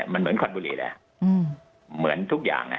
มันเหมือนคอนบุรีแหละเหมือนทุกอย่าง